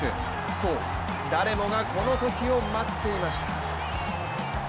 そう、誰もがこのときを待っていました。